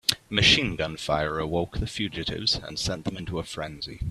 Machine gun fire awoke the fugitives and sent them into a frenzy.